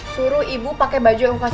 suruh ibu pake baju yang aku kasih